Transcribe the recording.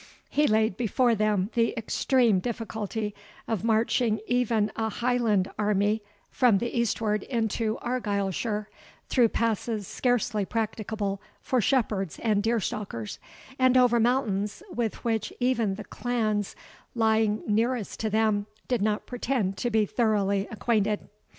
He laid before them the extreme difficulty of marching even a Highland army from the eastward into Argyleshire, through passes scarcely practicable for shepherds and deer stalkers, and over mountains, with which even the clans lying nearest to them did not pretend to be thoroughly acquainted.